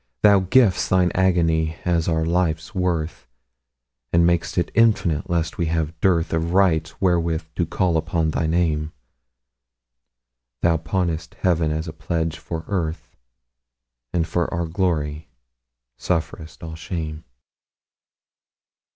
Thou giv'st Thine agony as our life's worth, And mak'st it infinite, lest we have dearthOf rights wherewith to call upon thy Name; Thou pawnest Heaven as a pledge for Earth, And for our glory sufferest all shame.